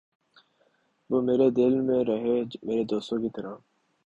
وُہ میرے دل میں رہے میرے دوستوں کی طرح